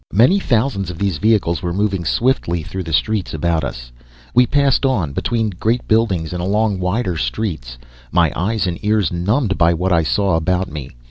"Many thousands of these vehicles were moving swiftly through the streets about us. We passed on, between great buildings and along wider streets, my eyes and ears numbed by what I saw about me.